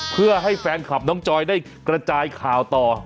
เพื่อให้แฟนคลับน้องจอยได้กระจายข่าวต่อ